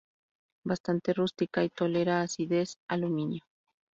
Bastante rústica, y tolera acidez y aluminio.